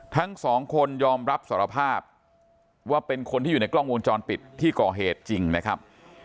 ทั้งสองคนยอมรับสารภาพว่าเป็นคนที่อยู่ในกล้องวงจรปิดที่ก่อเหตุจริงนะครับ